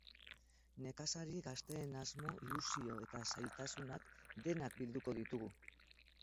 Nekazari gazteen asmo, ilusio, eta zailtasunak, denak bilduko ditugu.